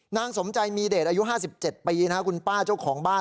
นางสมใจมีเดชอายุ๕๗ปีคุณป้าเจ้าของบ้าน